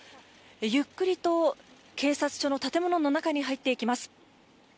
ゆっくりと警察署の建物の中に入っていきます。